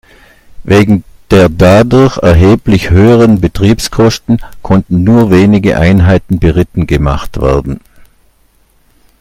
Wegen der dadurch erheblich höheren "Betriebskosten" konnten nur wenige Einheiten beritten gemacht werden.